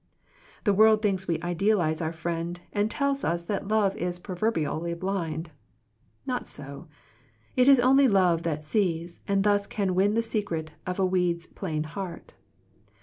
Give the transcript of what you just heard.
The world thinks we idealize our friend, and tells us that love is pro verbially blind. Not so: it is only love that sees, and thus can *'win the secret of a weed's plain heart."